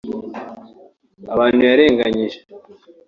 Abantu yarenganyije